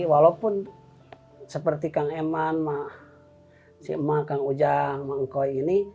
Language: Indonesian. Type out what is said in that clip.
walaupun seperti kang eman ma si ma kang ujang ma ngkoy ini